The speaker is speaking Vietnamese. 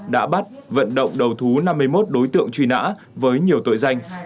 đã bắt giữ nhiều tội danh